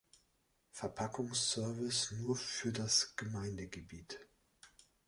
Verpackungsservice nur für das Gemeindegebiet.